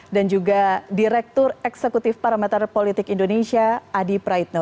dan juga direktur eksekutif parameter politik indonesia adi praitno